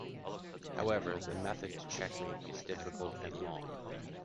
However, the method to checkmate is difficult and long.